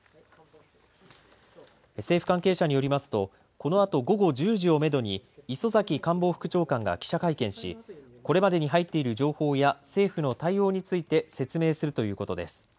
政府関係者によりますとこのあと午後１０時をめどに磯崎官房副長官が記者会見し、これまでに入っている情報や政府の対応について、説明するということです。